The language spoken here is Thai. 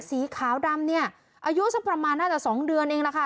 สีขาวดำเนี่ยอายุสักประมาณน่าจะ๒เดือนเองล่ะค่ะ